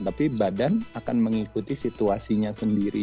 tapi badan akan mengikuti situasinya sendiri